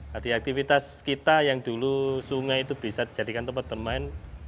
jadi aktivitas kita yang dulu sungai itu bisa dijadikan tempat bermain